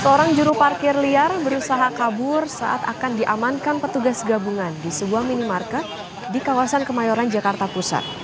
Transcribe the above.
seorang juru parkir liar berusaha kabur saat akan diamankan petugas gabungan di sebuah minimarket di kawasan kemayoran jakarta pusat